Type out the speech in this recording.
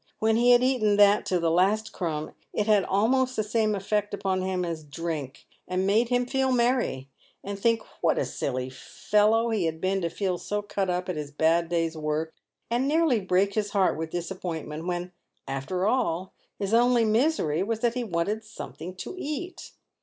When he had eaten that to the last crumb, it had almost the same effect upon him as drink, and made him feel merry, and think what a silly fellow he had been to feel so cut up at his bad day's work, and nearly break his heart with disappointment, when, after all, his only misery was that he wanted something to eat.